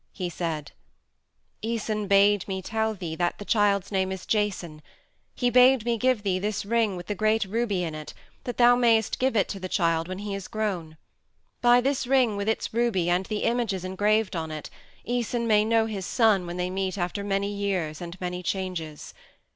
He said: "Æson bade me tell thee that the child's name is Jason. He bade me give thee this ring with the great ruby in it that thou mayst give it to the child when he is grown. By this ring with its ruby and the images engraved on it Æson may know his son when they meet after many years and many changes.